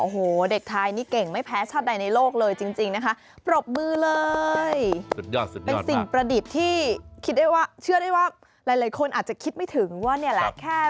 โหเด็กทายนี่เก่งไม่แพ้ชาติใดในโลกเลยจริงนะคะ